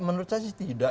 menurut saya sih tidak